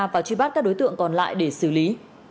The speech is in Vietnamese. và truy bắt các đối tượng còn lại để xử lý